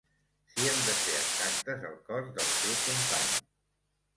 Si hem de ser exactes, el cos del seu company.